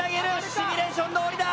シミュレーションどおりだ！